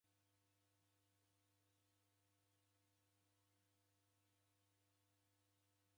W'aghenyu w'ape w'alilie w'endam'mbona ukienda.